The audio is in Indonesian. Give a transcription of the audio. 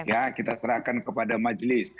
ya kita serahkan kepada majelis